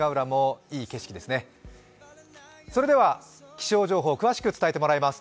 気象情報、詳しく伝えてもらいます。